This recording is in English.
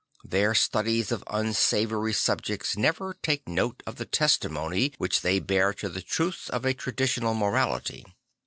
Their studies of unsavoury subjects never take note of the testimony which they bear to the truths of a traditional morality.